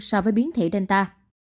so với biến thể delta